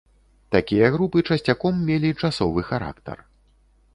Такія групы часцяком мелі часовы характар.